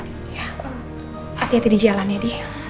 hati hati di jalan ya di